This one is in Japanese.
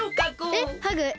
えっハグえ